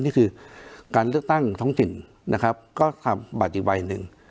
นี่คือการเลือกตั้งท้องถิ่นนะครับก็ทำบาติวัยหนึ่ง